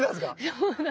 そうだね。